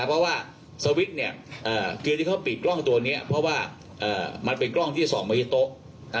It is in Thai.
เพราะว่าสวิตช์เนี่ยคือที่เขาปิดกล้องตัวนี้เพราะว่ามันเป็นกล้องที่ส่องมาที่โต๊ะ